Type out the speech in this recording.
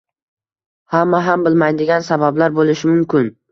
Hamma ham bilmaydigan sabablar bo'lishi mumkin